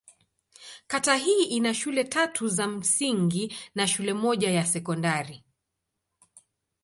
Kata hii ina shule tatu za msingi na shule moja ya sekondari.